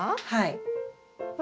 はい。